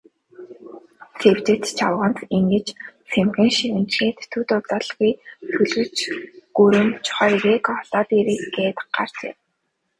Сэвжид чавганц ингэж сэмхэн шивнэчхээд, төд удалгүй төлгөч гүрэмч хоёрыг олоод ирье гээд гарчээ.